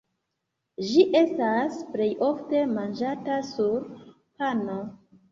Ĝi estas plej ofte manĝata sur pano.